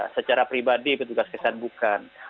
secara pribadi petugas kesehatan bukan